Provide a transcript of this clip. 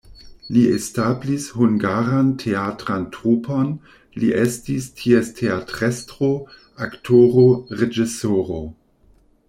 Li establis hungaran teatran trupon, li estis ties teatrestro, aktoro, reĝisoro.